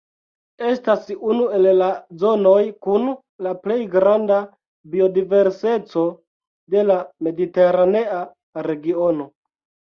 Estas unu el la zonoj kun la plej granda biodiverseco de la mediteranea regiono.